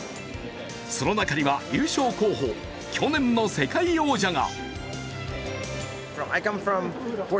その中には優勝候補去年の世界王者が。